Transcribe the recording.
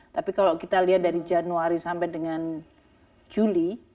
tapi kalau kita lihat dari januari sampai dengan juli